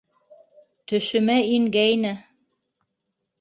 Төшөмә ингәйне.